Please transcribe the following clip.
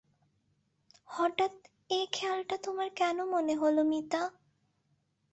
হঠাৎ এ খেয়ালটা তোমার কেন মনে হল মিতা।